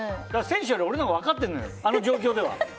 選手より俺のほうが分かってるのよ、あの状況では。